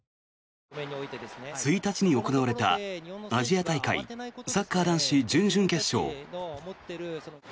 １日に行われた、アジア大会サッカー男子準々決勝。